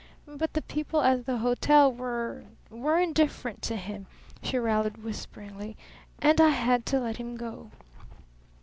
"But the people at the hotel were were indifferent to him," she rallied whisperingly. "And I had to let him go."